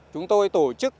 chúng tôi tổ chức